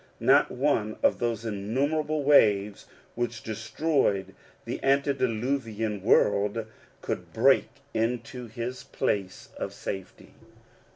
Not one of those innumerable waves which destroyed the antediluvian world could break into his place of safety.